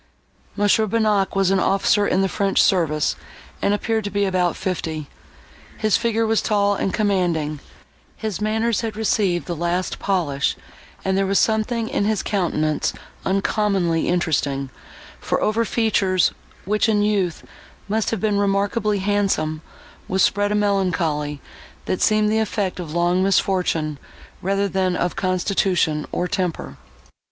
M. Bonnac was an officer in the French service, and appeared to be about fifty; his figure was tall and commanding, his manners had received the last polish, and there was something in his countenance uncommonly interesting; for over features, which, in youth, must have been remarkably handsome, was spread a melancholy, that seemed the effect of long misfortune, rather than of constitution, or temper.